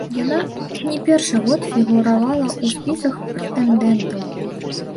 Яна не першы год фігуравала ў спісах прэтэндэнтаў.